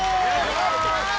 お願いします！